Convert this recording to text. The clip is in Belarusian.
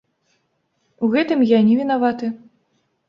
У гэтым я не вінаваты.